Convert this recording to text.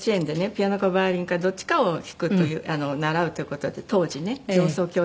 ピアノかヴァイオリンかどっちかを弾くという習うという事で当時ね情操教育として。